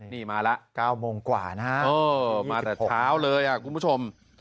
นี่มาแล้ว๙โมงกว่านะฮะมาแต่เช้าเลยคุณผู้ชม